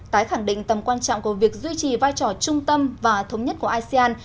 tái khẳng định tầm quan trọng của việc duy trì vai trò trung tâm và thống nhất của asean